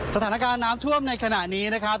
สถานการณ์น้ำท่วมในขณะนี้นะครับ